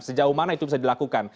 sejauh mana itu bisa dilakukan